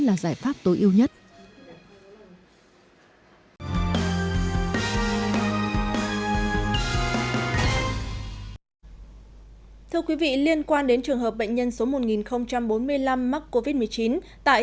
là giải pháp tối ưu nhất thưa quý vị liên quan đến trường hợp bệnh nhân số một nghìn bốn mươi năm mắc covid một mươi chín tại